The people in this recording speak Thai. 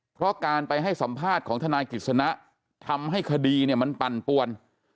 เพราะการไปให้สัมภาษณ์ของทนายกิจสนะทำให้คดีเนี่ยมันปั่นปวน